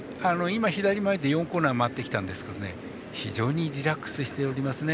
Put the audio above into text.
左前で４コーナー回ってきたんですけど非常にリラックスしております。